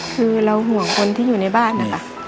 คือเราห่วงคนที่อยู่ในบ้านนะคะ